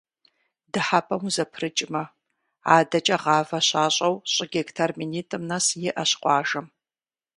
Дыхьэпӏэм узэпрыкӏмэ, адэкӏэ гъавэ щащӏэу щӏы гектар минитӏым нэс иӏэщ къуажэм.